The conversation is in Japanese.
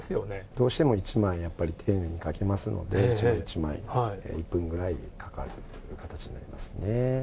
どうしても一枚、やっぱり丁寧に書きますので、一枚１分ぐらいかかるような形になりますね。